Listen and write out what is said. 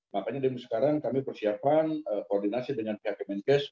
makanya demo sekarang kami persiapan koordinasi dengan pihak kemenkes